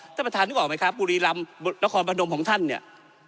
ท่านประธานนึกออกไหมครับบุรีรำนครพนมของท่านเนี่ย